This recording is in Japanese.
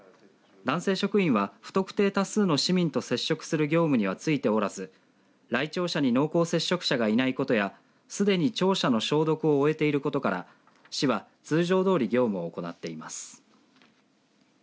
男性職員は、不特定多数の市民と接触する業務にはついておらず来庁者に濃厚接触者がいないことやすでに庁舎の消毒を終えていることから市は通常どおり業務を行っています。